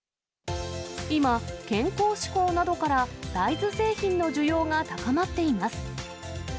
今、健康志向などから大豆製品の需要が高まっています。